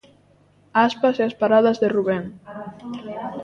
Aspas e as paradas de Rubén.